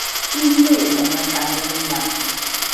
Quin dia és el mercat de Deià?